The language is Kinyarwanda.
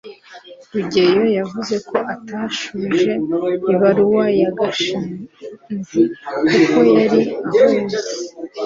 rugeyo yavuze ko atashubije ibaruwa ya gashinzi, kuko yari ahuze